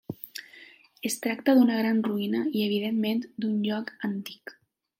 Es tracta d'una gran ruïna i, evidentment, d'un lloc antic.